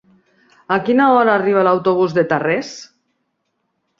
A quina hora arriba l'autobús de Tarrés?